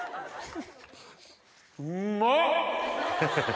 うまっ！